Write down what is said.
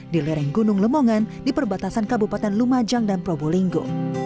di lereng gunung lemongan di perbatasan kabupaten lumajang dan probolinggo